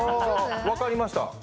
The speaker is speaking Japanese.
分かりました。